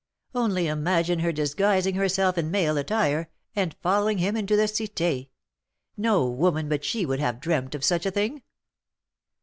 "Only imagine her disguising herself in male attire, and following him into the Cité! No woman but she would have dreamt of such a thing."